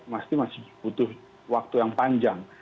masih masih butuh waktu yang panjang